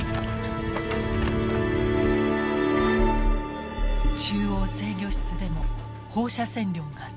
中央制御室でも放射線量が上昇。